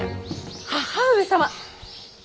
義母上様。